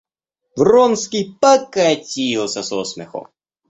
Вронский покатился со смеху.